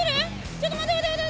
ちょっと待て待て待て。